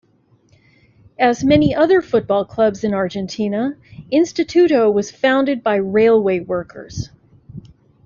As many other football clubs in Argentina, Instituto was founded by railway workers.